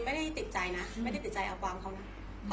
ไม่ได้แต่ใจนะไม่ใจกลางเขานะ